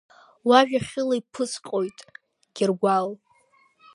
Уажәа хьыла иԥысҟоит, Гьыргәал.